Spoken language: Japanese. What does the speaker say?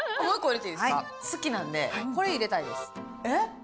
好きなんでこれ入れたいです。え！